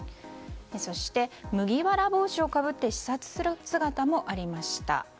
そして、麦わら帽子をかぶって視察する姿もありました。